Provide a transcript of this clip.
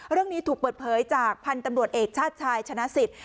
เรื่องนี้ถูกเปิดเผยจากพันธุ์ตำรวจเอกชาติชายชนะสิทธิ์